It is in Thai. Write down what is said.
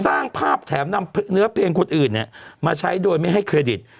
สร้างภาพแถมนำเนื้อเพลงคนอื่นเนี่ยมาใช้โดยไม่ให้เครดิต